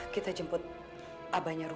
kita jemput abangnya roh